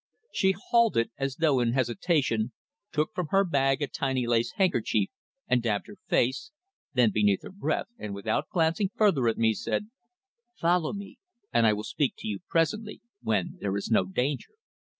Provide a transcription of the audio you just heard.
She halted, as though in hesitation, took from her bag a tiny lace handkerchief and dabbed her face, then beneath her breath, and without glancing further at me, said: "Follow me, and I will speak to you presently when there is no danger."